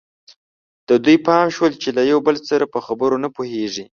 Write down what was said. د دوی پام شول چې له یو بل سره په خبرو نه پوهېږي.